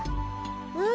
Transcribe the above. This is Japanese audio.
うん。